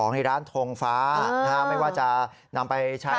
ใช่ครับแต่ว่ามีมิจฉาชีพหลอกให้ชาวบ้าน